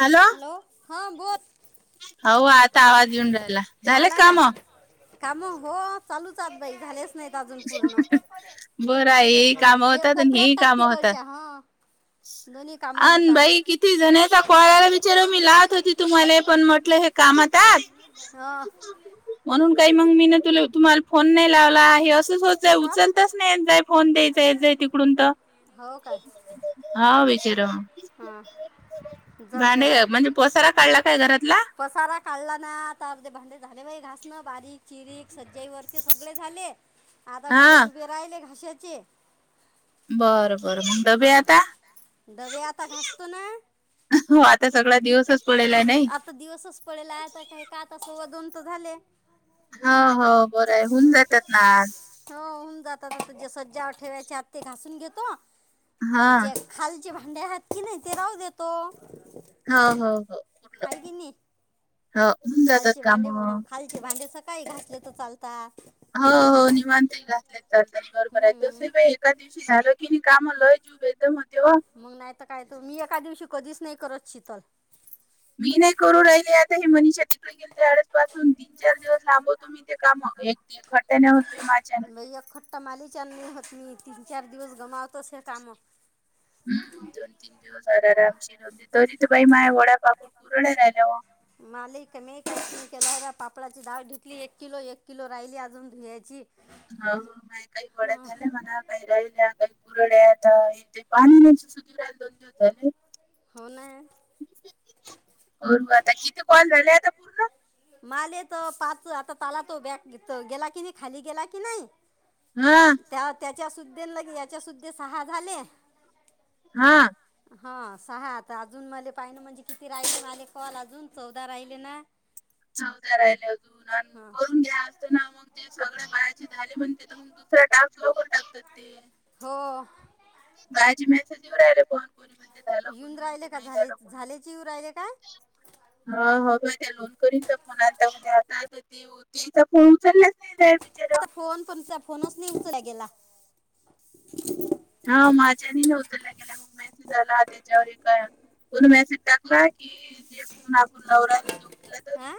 Hello. Hello हां बोल. अहो आता आवाज येेऊन राहिला, झालं आला का काय कामं? काम हो, चालूचत बाई झालेस नाहीत अजून पूर्ण,, बरं आहे हे काम हे होतात आणि कोपऱ्यात हेही टाक काम होतात तीकळच्या हा. दोन्ही कामं होतात. ती जण्याचा कळाला विचार मी लावत होती तुम्हाला पण म्हटलं हे कामातच. हां म्हणून काही मग मी ना तु तुम्हाला फोन नाही लावला आहे अस होतय ते टॉप उचलताच नाही जाय फोन द्यायचा येत जाय तिकडून तर. हो काय हा विचारं हां जाऊ दे आता भांडे म्हणजे पसारा काढला काय घरातला? पसारा काढला ना, आता अर्धे भांडे झाले बाई घासणं बारीक चिरीक सज्जाई वरचे सगळे झाले. आता हा डबेडुबे राहिले घाशाचे. बर बर मग हा डबे आता.? डबे आता घासतो ना,, हो आता सगळा आत दिवसच पडेला नाही आता दिवसच पडेल हाय आता काही का आता सव्वा दोन त झाले. हो हो बरं हाय हुन जात्यात ना आज. हो हुन जाता ज जे सज्जावर ठेवायचे आत् ते घासून घेतो, हा आन जे खालचे भांडे् हायत की नी ते राहू देतो. हो हो हो, हाय की नाही हो हुन जातात काम. ते भांडे सकाळी घासलं तर चालता. हो हो [unintelligible] एका हम्म दिवशी झालं की नी काम लय जाऊ बेद मतेव. मग नाही तर काय, तू मी एका दिवशी कधीच नाही करत शितल. मी नाही करू राहिले आता हे मनीषा तिकडे शाळेस पासून तीन चार दिवस लांबवतो मी ते काम एक खट्या होत माझ लय एक खट्टा मालीचली होत मी तीन चार दिवस गमावतोस हे काम. हम्म दोन तीन दिवस अरारा तरी ते बाई माझ वड्यापाकड पुरड राहिल्या वो. मालिक मी केला पापळाची डाळ धुतली एक किलो, एक किलो राहिली अजून धुयाची. [unintelligible] [unintelligible] हं, हो ना होरू आता किती कॉल झाले आता पूर्ण? माले त पाच आता ताला तो बॅग गेला की नाही खाली गेला की नाही हां, त्या त्याच्या सुद्धे लगे सुद्धे सहा झाले. हां. हा सहा आता अजून मले पाहि ना म्हणजे किती राहिले मले कॉल अजून चौदा राहिले ना? [inaudible] चौदा राहिले आजुन आन हा करून घ्या. नाव मग ते सगळ्या बयाचे झाले म्हणते त मग दुसाऱ्या टाक. हो. बायाची मेसेज येऊ राहिले पण. कोणी म्हणते झालं कोणी येऊन राहिले म्हणते का नाही झालं कोणी झालेचे येऊ राहिले का? हा हो भ त्या लोन करीनचा फोन आलता त्या [unintelligible] तीचा फोन उचलाच नाही [unintelligible] आता फोन तुमचा फोनच नाही उचलला गेला. हा माझ्यानी नव्हतं उचलला गेला. मेसेज आला त्याच्यावर एक कोन मेसेज टाकला की जे फोन आपण लवला आं?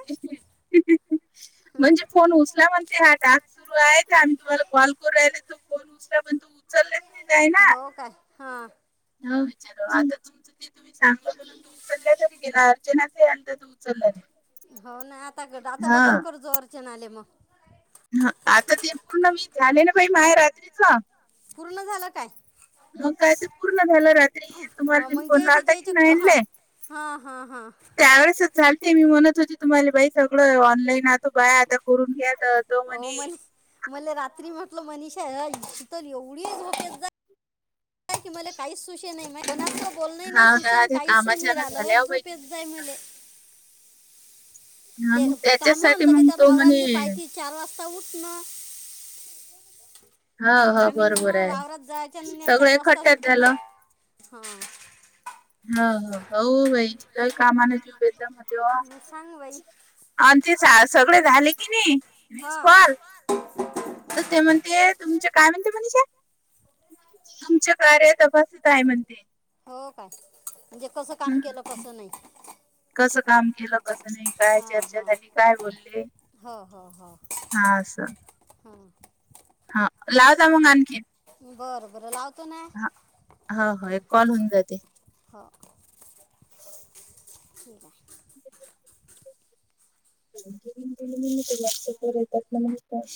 म्हणजे फोन उचलाव ते हा टास्क सुरू आहे आम्ही तुम्हाला कॉल करू रायले तो फोन उचला पण तू फोन उचलले हो काय? हा. हव विचारू आज तुमच? तुम्ही सांगल म्हणून तू उचलल्या तरी गेला अर्जनाताई आलत्या तू उचलला नाही. हो ना आता आता हा डबल कर्जो अर्चन आले मग. ह आता ते पूर्ण मी झाले नाई माय रात्रीच पूर्ण झाला काय? मग काय ते पूर्ण झालं रात्री तुम्हाला बी फोन लावता की नाईन ले. हा हा हा. त्यावेेळेसच झालते मी म्हणत होते तुम्हाला बाई सगळं ऑनलाईन आतो बाय आता करून घ्यात तो म्हणे मले रात्री म्हटलं मनीषा येईल तर एवडी झोपेत जर काय की मले काहीच सुशेना नाही तेनं असं बोलली नाही हा ना सुशेन त्या काहीच नाही कामाच्या येई ना झाल्या रालयच हो बाई झोप येत तुम्ही जाय बेता मले. हा ते मग काम त्याच्यासाठी आणलं की मग त्यात तो आवरां की म्हणे पाहाटे चार वाजता उठणं. हो, हो. आम्हीन बरोबर ह आहे. वावरात जायच्या म्हणून सगळं चार वाजताच एकखट्ट्यात उठ झालं. नाय हा! ह ह हो बाई का कामाने जऊस म तेवा, मग सांग बाई आण ते सगळे झाले की नाही विस हां कॉल तर ते म्हणतेत तुमच काय म्हणते मनीषा तुमच्या कार्या तपासत आहे म्हणते. हो काय म्हणजे कसं काम हं. केलं कसं नाही. कसं काम केलं? कसं नाही काय हां चर्चा हां झाली काय बोलले हा असं. हम! हा लाव जा मग आणखी, बरं बरं लावतो ना हो, हो. एक हम कॉल होऊन जाते. हो, ठिक आहे. आमचं आमचं म्हणूनच ते जास्त करतात मग नुसतं